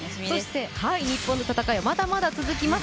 日本の戦いまだまだ続きます。